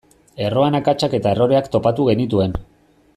Erroan akatsak eta erroreak topatu genituen.